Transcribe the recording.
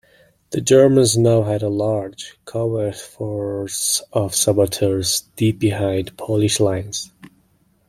The Germans now had a large, covert force of saboteurs deep behind Polish lines.